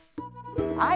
はい。